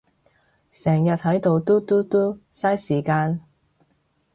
成日係到嘟嘟嘟，晒時間